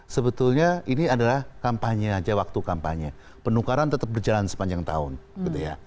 sebetulnya ini adalah kampanye aja waktu kampanye penukaran tetap berjalan sepanjang tahun gitu ya